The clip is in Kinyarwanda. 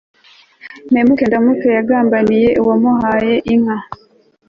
mpemuke ndamuke yagambaniye uwamuhaye inka